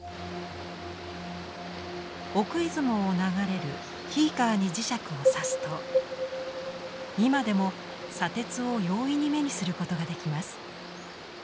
奥出雲を流れる斐伊川に磁石をさすと今でも砂鉄を容易に目にすることができます。